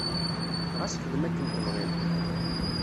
Ɣas xdem akken tebɣiḍ.